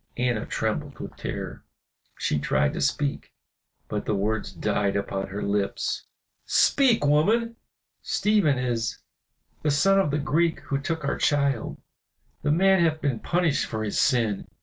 Anna trembled with terror, she tried to speak, but the words died upon her lips. "Speak, woman!" "Stephen is the son of the Greek who took our child. The man hath been punished for his sin.